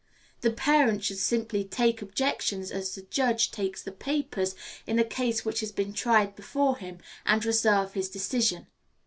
The parent should simply take such objections as the judge takes the papers in a case which has been tried before him, and reserve his decision.